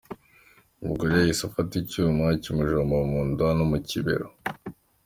Umugore yahise afata icyuma akimujomba mu nda no mu kibero.